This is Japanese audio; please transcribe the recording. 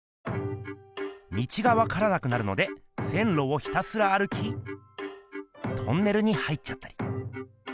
道がわからなくなるので線路をひたすら歩きトンネルに入っちゃったり。